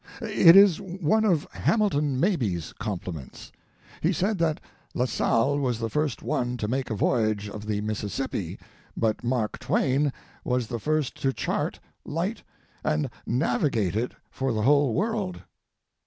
It is one of Hamilton Mabie's compliments. He said that La Salle was the first one to make a voyage of the Mississippi, but Mark Twain was the first to chart, light, and navigate it for the whole world.